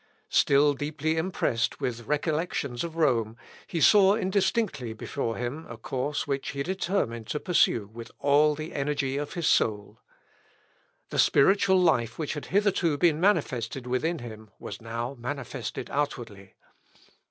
Still deeply impressed with recollections of Rome, he saw indistinctly before him a course which he determined to pursue with all the energy of his soul. The spiritual life which had hitherto been manifested within him was now manifested outwardly.